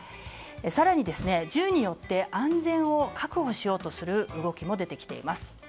更に、銃によって安全を確保しようとする動きも出てきています。